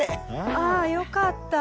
あぁよかった。